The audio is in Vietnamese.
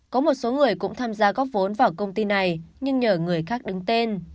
có một số người cũng tham gia góp vốn vào công ty này nhưng nhờ người khác đứng tên